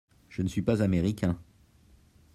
Je ne suis pas américain.